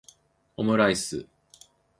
オムライス